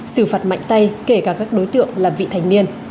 xử phạt mạnh tay kể cả các đối tượng là vị thành niên